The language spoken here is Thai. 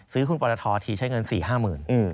ซื้อหุ้นปรททีใช้เงิน๔๕หมื่น